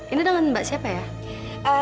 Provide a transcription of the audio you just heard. ini dengan mbak siapa ya